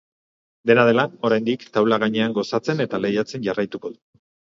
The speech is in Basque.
Dena dela, oraindik, taula gainean gozatzen eta lehiatzen jarraituko du.